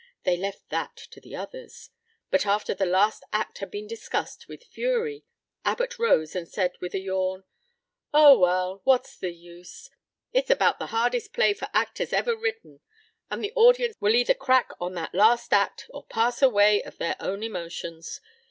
They left that to the others, but after the last act had been discussed with fury, Abbott arose and said with a yawn: "Oh, well, what's the use? It's about the hardest play for actors ever written and the audience will either crack on that last act or pass away of their own emotions.